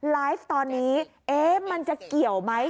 ไลฟ์ตอนนี้มันจะเกี่ยวไหม